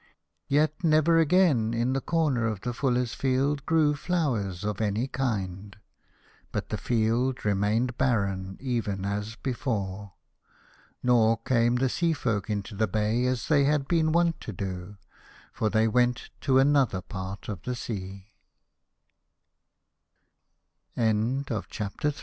Yet never again in the corner of the Fullers' Field grew flowers of any kind, but the field re mained barren even as before. Nor came the Sea folk into the bay as they had been wont to do, for they went to anoth